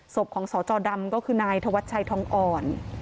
ศพของสจดำก็คือนายธวัชชัยทองอ่อน